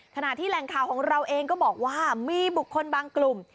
ขณะที่แหล่งข่าวของเราเองก็บอกว่ามีบุคคลบางกลุ่ม